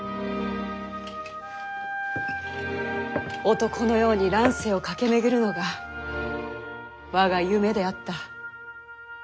男のように乱世を駆け巡るのが我が夢であった。